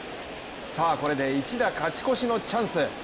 これで一打勝ち越しのチャンス。